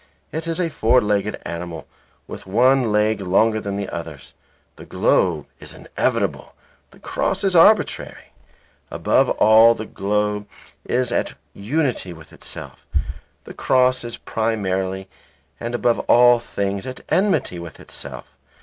It is a four legged animal, with one leg longer than the others. The globe is inevitable. The cross is arbitrary. Above all the globe is at unity with itself; the cross is primarily and above all things at enmity with itself.